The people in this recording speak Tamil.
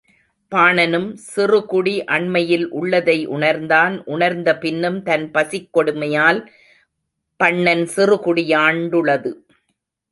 பாணனும் சிறுகுடி அண்மையில் உள்ளதை உணர்ந்தான் உணர்ந்த பின்னும், தன் பசிக்கொடுமையால், பண்ணன் சிறுகுடி யாண்டுளது?